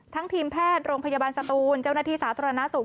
ทีมแพทย์โรงพยาบาลสตูนเจ้าหน้าที่สาธารณสุข